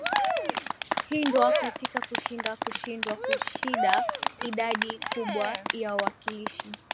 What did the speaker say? hindwa katika kushinda kushindwa kushida idadi kubwa ya wakilishi